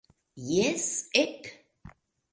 Jes, ek!